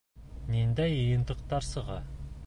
Ниндәй йыйынтыҡтар сыға?